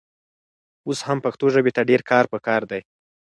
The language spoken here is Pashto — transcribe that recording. اوس هم پښتو ژبې ته ډېر کار پکار دی.